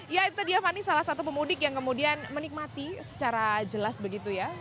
ya itu dia fani salah satu pemudik yang kemudian menikmati secara jelas begitu ya